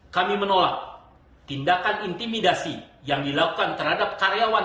kami menolak tindakan intimidasi yang dilakukan terhadap karyawan